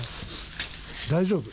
大丈夫？